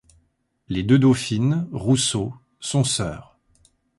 Les deux dauphines, Rousseau, sont sœurs.